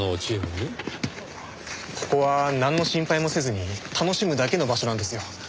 ここはなんの心配もせずに楽しむだけの場所なんですよ。